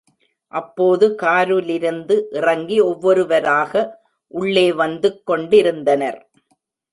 அப்போது காருலிருந்து இறங்கி ஒவ்வொருவ ராக உள்ளே வந்துக் கொண்டிருந்தனர்.